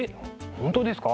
本当ですか。